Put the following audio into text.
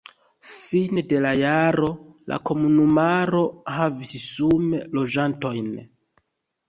Fine de la jaro la komunumaro havis sume loĝantojn.